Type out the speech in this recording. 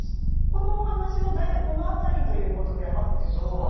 このお話は大体この辺りということで合ってますか？